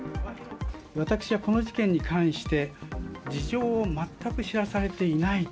私はこの事件に関して、事情をまったく知らされていない。